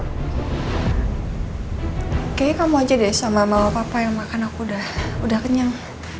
kayaknya kamu aja deh sama mama papa yang makan aku udah kenyang